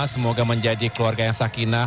semoga menjadi keluarga yang sakinah